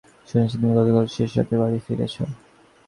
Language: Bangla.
শুনেছি তুমি গতকাল শেষরাতে বাড়ি ফিরেছো।